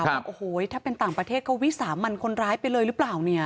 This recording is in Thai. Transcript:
ว่าโอ้โหถ้าเป็นต่างประเทศเขาวิสามันคนร้ายไปเลยหรือเปล่าเนี่ย